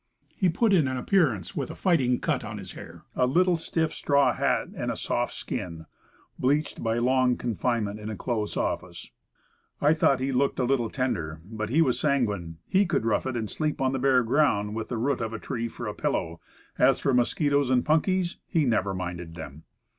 He put in an appearance with a fighting cut on his hair, a little Stiff straw hat, and a soft skin, bleached by long confinement in a close office. I thought he looked a little tender; but he was sanguine. He could rough it, could sleep on the bare ground with the root of a tree for a pillow; as for mosquitoes and punkies, he never minded them.